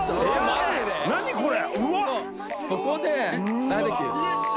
何⁉これ。